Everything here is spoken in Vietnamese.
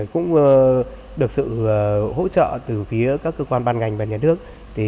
cũng được sự hỗ trợ từ phía các cơ quan ban ngành và nhà nước